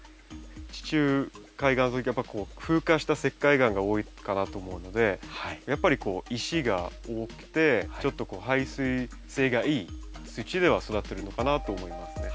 地中海やっぱ風化した石灰岩が多いかなと思うのでやっぱりこう石が多くてちょっと排水性がいい土では育ってるのかなと思いますね。